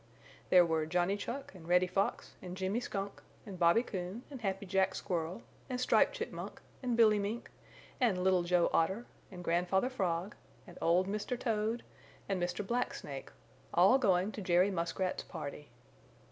There were Johnny Chuck and Reddy Fox and Jimmy Skunk and Bobby Coon and Happy Jack Squirrel and Striped Chipmunk and Billy Mink and Little Joe Otter and Grandfather Frog and old Mr. Toad and Mr. Blacksnake all going to Jerry Muskrat's party.